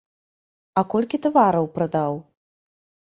А колькі тавараў прадаў?